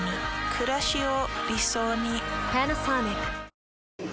くらしを理想に。